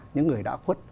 những người đã khuất